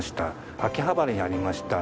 秋葉原にありました